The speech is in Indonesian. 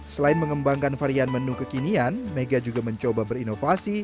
selain mengembangkan varian menu kekinian mega juga mencoba berinovasi